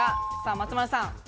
松丸さん。